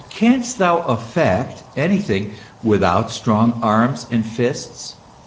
canst thou " effect " anything without strong arms and fists ?